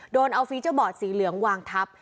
โดนเอาฟีเจอร์บอร์ดสีเหลืองวางทับ